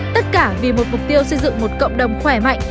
tất cả vì một mục tiêu xây dựng một cộng đồng khỏe mạnh